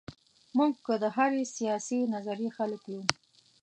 موږ که د هرې سیاسي نظریې خلک یو.